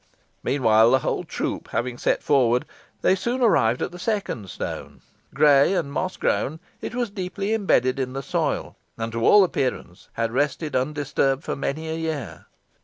Meanwhile, the whole troop having set forward, they soon arrived at the second stone. Grey and moss grown, it was deeply imbedded in the soil, and to all appearance had rested undisturbed for many a year.